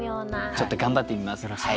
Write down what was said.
ちょっと頑張ってみます。